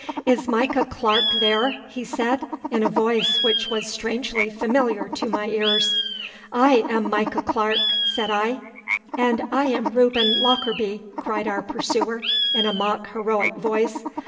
'Is Micah Clarke there?' he said, in a voice which was strangely familiar to my ears. 'I am Micah Clarke,' said I. 'And I am Reuben Lockarby,' cried our pursuer, in a mock heroic voice.